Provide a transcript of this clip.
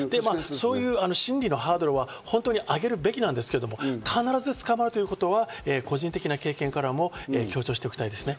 そういう心理のハードルは上げるべきなんですけど、必ず捕まるということは個人的な経験からも強調しておきたいですね。